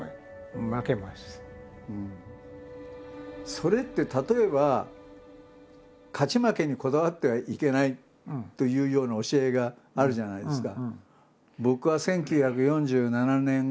それって例えば勝ち負けにこだわってはいけないというような教えがあるじゃないですか。